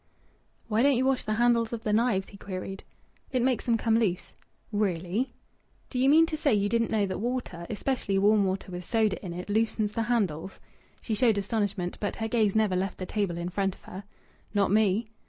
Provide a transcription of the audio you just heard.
"Why don't you wash the handles of the knives?" he queried. "It makes them come loose." "Really?" "Do you mean to say you didn't know that water, especially warm water with soda in it, loosens the handles?" She showed astonishment, but her gaze never left the table in front of her. "Not me!"